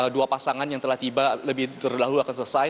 dua pasangan yang telah tiba lebih terdahulu akan selesai